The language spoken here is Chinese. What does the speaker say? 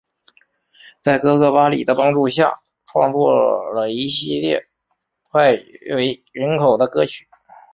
在哥哥巴里的帮助下创作了一系列脍炙人口的歌曲。